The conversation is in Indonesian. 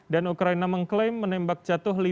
dan ukraina mengklaim menembak jatuh